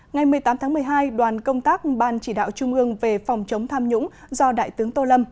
ngày một mươi tám tháng một mươi hai đoàn công tác ban chỉ đạo trung ương về phòng chống tham nhũng do đại tướng tô lâm